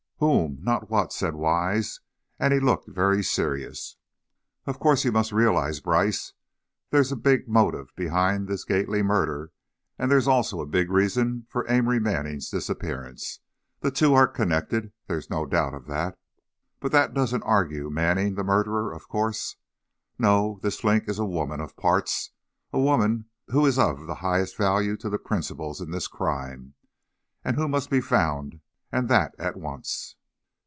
"Whom, not what," said Wise, and he looked very serious. "Of course, you must realize, Brice, there's a great big motive behind this Gately murder, and there's also a big reason for Amory Manning's disappearance. The two are connected, there's no doubt of that, but that doesn't argue Manning the murderer, of course. No, this Link is a woman of parts, a woman who is of highest value to the principals in this crime, and who must be found, and that at once!"